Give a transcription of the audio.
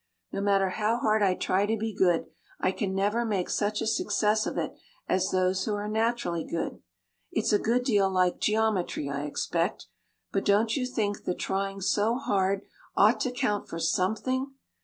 No matter how hard I try to be good I can never make such a success of it as those who are naturally good. It's a good deal like geometry, I expect. But don't you think the trying so hard ought to count for something?